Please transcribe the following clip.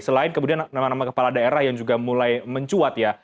selain kemudian nama nama kepala daerah yang juga mulai mencuat ya